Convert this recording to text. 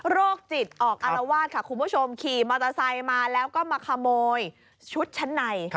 โรคจิตออกอารวาสค่ะคุณผู้ชมขี่มอเตอร์ไซค์มาแล้วก็มาขโมยชุดชั้นใน